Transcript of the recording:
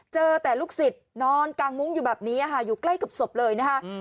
เจอแต่ลูกศิษย์นอนกางมุ้งอยู่แบบนี้ค่ะอยู่ใกล้กับศพเลยนะคะ